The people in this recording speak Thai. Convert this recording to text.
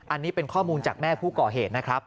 อันนี้เป็นข้อมูลจากแม่ผู้ก่อเหตุนะครับ